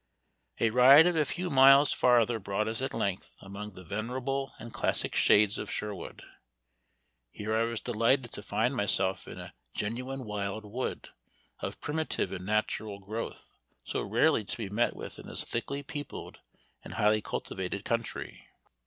A ride of a few miles farther brought us at length among the venerable and classic shades of Sherwood, Here I was delighted to find myself in a genuine wild wood, of primitive and natural growth, so rarely to be met with in this thickly peopled and highly cultivated country.